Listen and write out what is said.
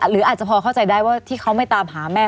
หรืออาจจะพอเข้าใจได้ว่าที่เขาไม่ตามหาแม่